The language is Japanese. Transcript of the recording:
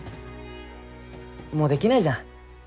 もうできないじゃん